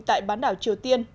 tại bán đảo triều tiên